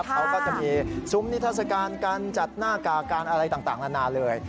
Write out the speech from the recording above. เขาก็จะมีซุ้มนิทัศกาลการจัดหน้ากากการอะไรต่างนานาเลย